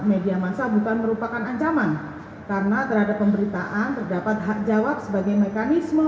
media masa bukan merupakan ancaman karena terhadap pemberitaan terdapat hak jawab sebagai mekanisme